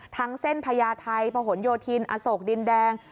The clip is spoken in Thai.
เส้นพญาไทยพะหนโยธินอโศกดินแดง